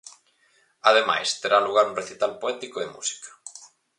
Ademais, terá lugar un recital poético e música.